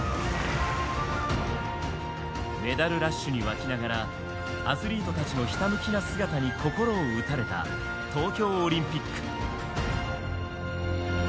メダルラッシュに沸きながらアスリートたちのひたむきな姿に心を打たれた東京オリンピック。